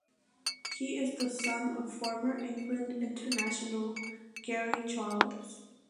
He is the son of former England international Gary Charles.